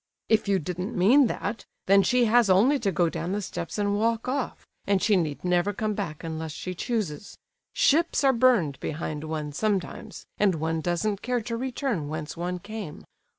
"If you didn't mean that, then she has only to go down the steps and walk off, and she need never come back unless she chooses: Ships are burned behind one sometimes, and one doesn't care to return whence one came.